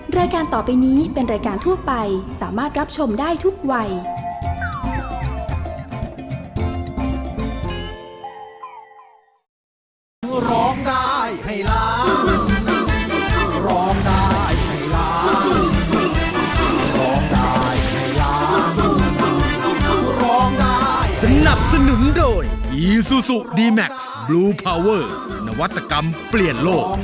รายการต่อไปนี้เป็นรายการทั่วไปสามารถรับชมได้ทุกวัย